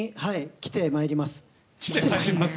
来てまいります？